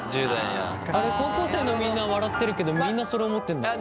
あれ高校生のみんな笑ってるけどみんなそれ思ってんのかな。